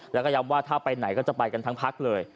แล้วก็ย้ำว่าถ้าไปไหนก็จะไปกันทั้งพักเลย